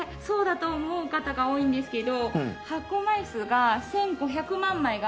そうだと思う方が多いんですけど発行枚数が１５００万枚。